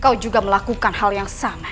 kau juga melakukan hal yang sama